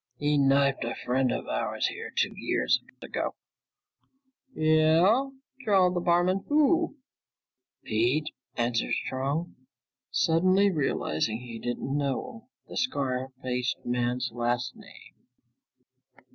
"He knifed a friend of ours in here two years ago." "Yeah?" drawled the barman. "Who?" "Pete," answered Strong, suddenly realizing he didn't know the scar faced man's last name.